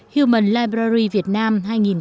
human library việt nam hai nghìn một mươi bảy